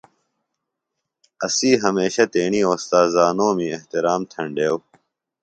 اسی ہمیشہ تیݨی اوستاذانومی احتِرام تھینڈیوۡ